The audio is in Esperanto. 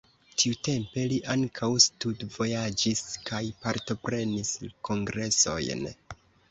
Tiutempe li ankaŭ studvojaĝis kaj partoprenis kongresojn.